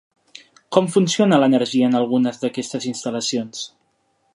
Com funciona l'energia en algunes d'aquestes instal·lacions?